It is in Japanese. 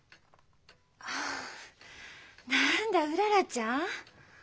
ああ何だうららちゃん？